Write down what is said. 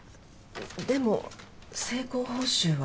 でも成功報酬は？